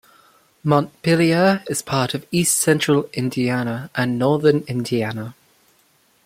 Montpelier is part of East Central Indiana and Northern Indiana.